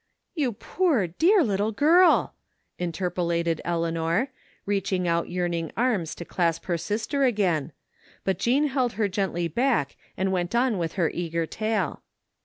" You poor, dear little girl !" interpolated Eleanor, reaching out yearning arms to clasp her sister again, but Jean held her gently back and went on with her eager tale.